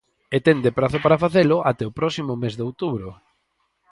E ten de prazo para facelo até o próximo mes de outubro.